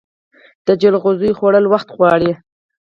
د جلغوزیو خوړل وخت غواړي.